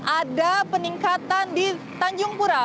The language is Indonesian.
ada peningkatan di tanjung pura